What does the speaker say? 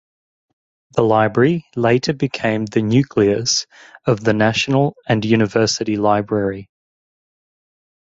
The library later became the nucleus of the National and University Library.